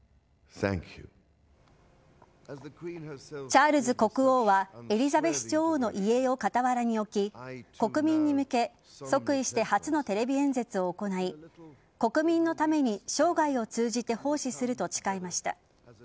チャールズ国王はエリザベス女王の遺影を傍らに置き国民に向け即位して初のテレビ演説を行い国民のために生涯を通じて奉仕すると誓いました。